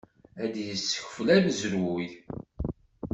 Ad yessekfel amezruy.